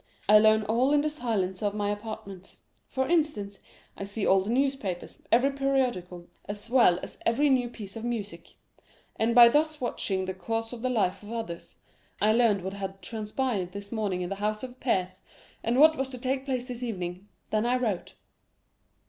I learn all in the silence of my apartments,—for instance, I see all the newspapers, every periodical, as well as every new piece of music; and by thus watching the course of the life of others, I learned what had transpired this morning in the House of Peers, and what was to take place this evening; then I wrote.